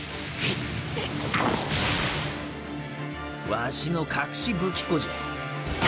ワシの隠し武器庫じゃ。